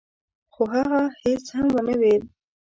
خو هغه هيڅ هم ونه ويل.